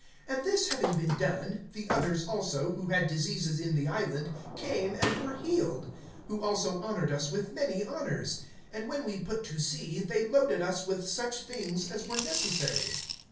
(9)And this having been done, the others also, who had diseases in the island, came and were healed; (10)who also honored us with many honors; and when we put to sea, they loaded us with such things as were necessary.